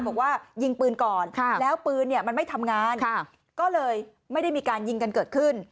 บอกว่ายิงปืนก่อนแล้วปืนเนี่ยมันไม่ทำงานก็เลยไม่ได้มีการยิงกันเกิดขึ้น